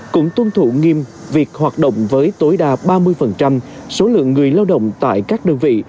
cũng tuân thủ nghiêm việc hoạt động với tối đa ba mươi số lượng người lao động tại các đơn vị